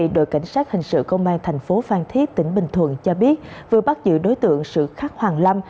đội cảnh sát hình sự công an thành phố phan thiết tỉnh bình thuận cho biết vừa bắt giữ đối tượng sự khắc hoàng lâm